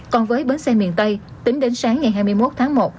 còn với bến xe miền tây tính đến sáng ngày hai mươi một tháng một